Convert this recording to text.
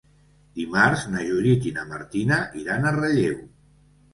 Dimarts na Judit i na Martina iran a Relleu.